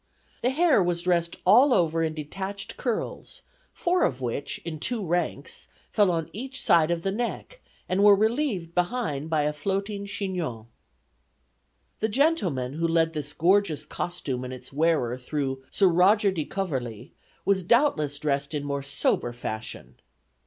The hair was dressed all over in detached curls, four of which, in two ranks, fell on each side of the neck, and were relieved behind by a floating chignon." The gentleman who led this gorgeous costume and its wearer through "Sir Roger de Coverley" was doubtless dressed in more sober fashion.